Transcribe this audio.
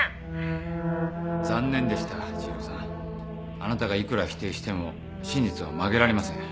あなたがいくら否定しても真実は曲げられません。